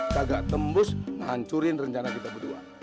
kagak tembus hancurin rencana kita berdua